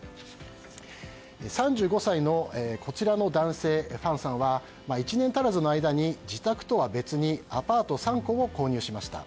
３５歳の男性、ファンさんは１年足らずの間に自宅とは別にアパート３戸を購入しました。